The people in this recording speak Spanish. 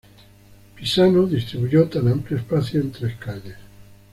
Pisano distribuyó tan amplio espacio en tres calles.